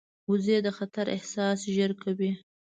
وزې د خطر احساس ژر کوي